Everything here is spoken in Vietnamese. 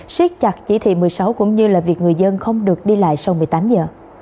siết chặt chỉ thị một mươi sáu cũng như là việc người dân không được đi lại sau một mươi tám giờ